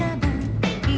jalan ya pak